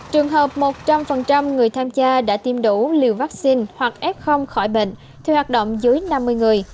trường hợp một trăm linh người tham gia đã tiêm đủ liều vaccine hoặc f khỏi bệnh thì hoạt động dưới năm mươi người